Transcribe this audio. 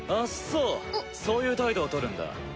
そうそういう態度を取るんだ。